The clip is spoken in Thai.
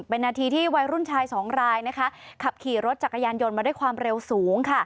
เป็นนาทีที่วัยรุ่นชายสองรายนะคะขับขี่รถจักรยานยนต์มาด้วยความเร็วสูงค่ะ